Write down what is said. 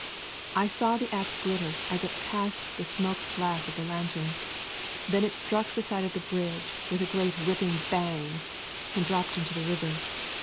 I saw the axe glitter as it passed the smoked glass of the lantern. Then it struck the side of the bridge with a great ripping bang, and dropped into the river.